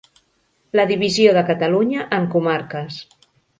La divisió de Catalunya en comarques.